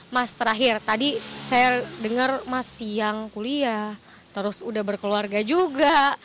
mas terakhir tadi saya dengar mas siang kuliah terus udah berkeluarga juga